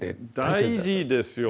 大事ですよね。